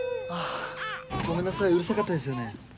ごめんなさいうるさかったですよね。